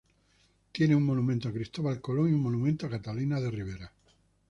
Tiene un monumento a Cristóbal Colón y un monumento a Catalina de Ribera.